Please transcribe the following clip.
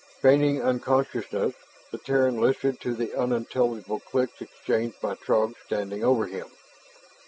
Feigning unconsciousness, the Terran listened to the unintelligible clicks exchanged by Throgs standing over him.